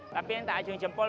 tapi yang tak ajung jempol